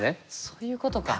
そういうことか。